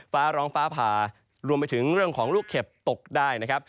ฟ้าร้องฟ้าผ่ารวมไปถึงเรื่องของลูกเห็บตกได้นะครับ